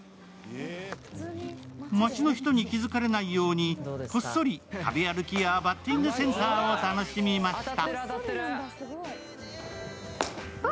街の人に気付かれないようにこっそり食べ歩きやバッティングセンターを楽しみました。